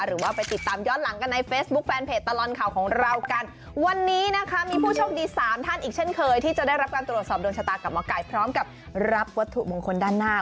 หรือว่าไปติดตามย้อนหลังกันในเฟซบุ๊คแฟนเพจตลอดข่าวของเรากันวันนี้นะคะมีผู้โชคดีสามท่านอีกเช่นเคยที่จะได้รับการตรวจสอบดวงชะตากับหมอไก่พร้อมกับรับวัตถุมงคลด้านหน้า